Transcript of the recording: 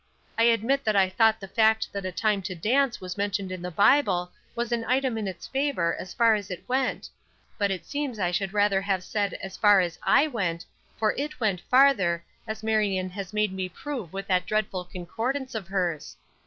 I admit that I thought the fact that a time to dance was mentioned in the Bible was an item in its favor as far as it went; but it seems I should rather have said as far as I went, for it went farther, as Marion has made me prove with that dreadful concordance of hers.